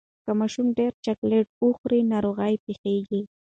که ماشومان ډیر چاکلېټ وخوري، ناروغي پېښېږي.